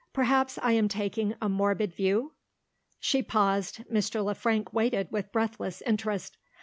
Perhaps, I am taking a morbid view?" She paused. Mr. Le Frank waited with breathless interest.